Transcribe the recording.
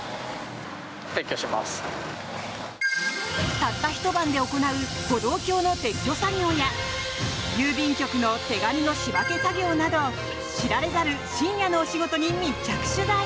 たったひと晩で行う歩道橋の撤去作業や郵便局の手紙の仕分け作業など知られざる深夜のお仕事に密着取材。